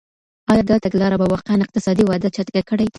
ایا دا تګلاره به واقعاً اقتصادي وده چټکه کړي؟